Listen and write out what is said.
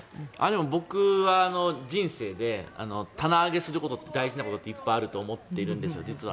僕は人生で棚上げすることって大事なことっていっぱいあると思っているんですよ、実は。